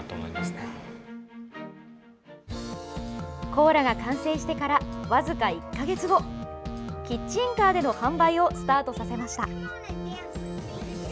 コーラが完成してから僅か１か月後キッチンカーでの販売をスタートさせました。